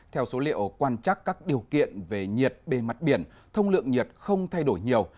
theo số liệu quan trắc các điều kiện về nhiệt bề mặt biển thông lượng nhiệt không thay đổi nhiều